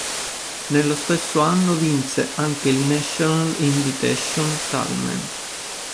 Nello stesso anno vinse anche il National Invitation Tournament.